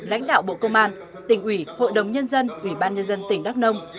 lãnh đạo bộ công an tỉnh ủy hội đồng nhân dân ủy ban nhân dân tỉnh đắk nông